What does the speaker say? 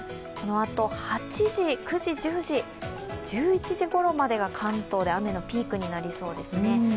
このあと１１時ごろまでが関東で雨のピークになりそうですね。